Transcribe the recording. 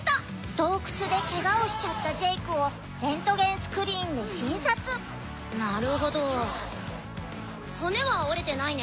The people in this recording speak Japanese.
洞窟でケガをしちゃったジェイクをレントゲンスクリーンで診察なるほど骨は折れてないね。